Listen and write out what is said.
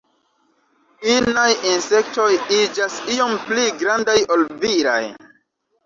Inaj insektoj iĝas iom pli grandaj ol viraj.